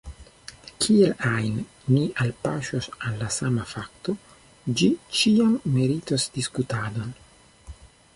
Kiel ajn ni alpaŝos al la sama fakto, ĝi ĉiam meritos diskutadon.